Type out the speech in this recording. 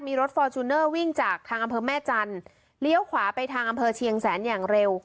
มีรถฟอร์จูเนอร์วิ่งจากทางอำเภอแม่จันทร์เลี้ยวขวาไปทางอำเภอเชียงแสนอย่างเร็ว